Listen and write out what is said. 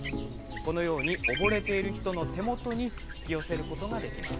このように溺れている人の手元に引き寄せることができます。